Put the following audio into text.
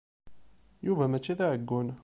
Yuba mačči d aɛeggun.